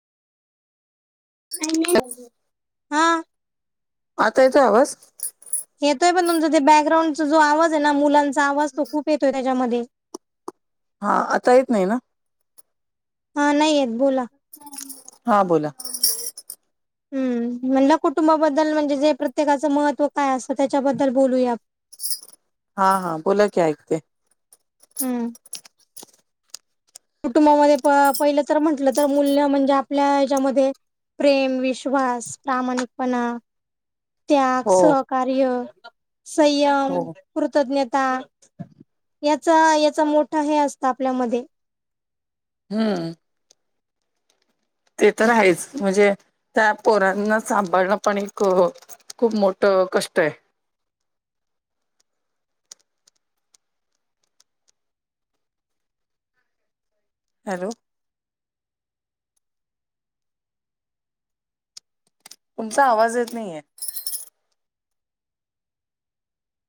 आणि हा आता येतोय आवाज येतोय पण तुमचां ते बॅकग्राउंडचा जो आवाज आहे ना मुलांचा आवाज तो खूप येतोय त्याच्यामध्ये हा, आता येत नाही ना. हा, नाही येत बोला. हा बोला. हम्म, म्हणलं कुटुंबाबद्दल म्हणजे जे प्रत्येकाचं महत्व काय असत त्याच्याबद्दल बोलूया. हा, हा, बोला की ऐकते. हम्म, कुटुंबामध्ये प पहिलं तर म्हंटलं तर मूल्य म्हणजे आपल्या ह्याच्यामध्ये प्रेम, विश्वास, प्रामाणिकपणा. त्याग, हो सहकार्य, संयम. हो कृतज्ञता याचा याचा मोठा हे असतं. आपल्यामध्ये हम्म ते तर आहेच. म्हणजे त्या पोरांना सांभाळणं पण एक खूप मोठ कष्ट आहे. हॅलो, तुमचा आवाज येत नाहीये.